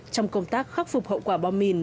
trong công tác khắc phục hậu quả bom mìn